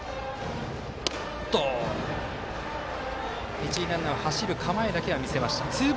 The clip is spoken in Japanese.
一塁ランナーは走る構えだけは見せました。